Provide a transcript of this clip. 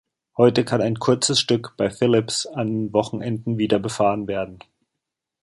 Heute kann ein kurzes Stück bei Phillips an Wochenenden wieder befahren werden.